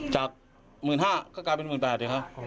จาก๑๕๐๐๐ก็กลายเป็น๑๘๐๐๐เนี่ยครับ